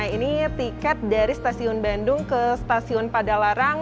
ini tiket dari stasiun bandung ke stasiun padalarang